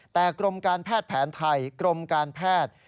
แต่กรมการแพทย์แผนไทยกรมการแพทย์